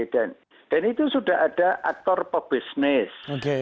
dan itu sudah ada aktor pebisnis